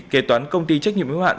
kế toán công ty trách nhiệm hữu hạn